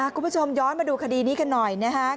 คุณผู้ชมย้อนมาดูคดีนี้กันหน่อยนะครับ